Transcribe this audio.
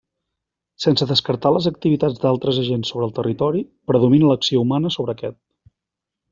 Sense descartar les activitats d'altres agents sobre el territori, predomina l'acció humana sobre aquest.